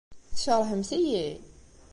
Tkeṛhemt-iyi?